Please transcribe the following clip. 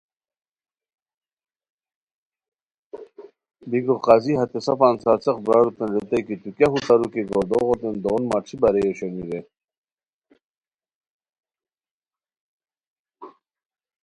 بیکو قاضی ہتے سفان سار څیق براروتین ریتائے کی تو کیہ ہوݰ ارو گوردوغوتین دون مݯھی بارئے اوشونی رے؟